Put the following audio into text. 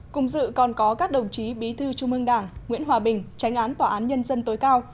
cùng dự còn có các đồng chí bí thư trung ương đảng nguyễn hòa bình tránh án tòa án nhân dân tối cao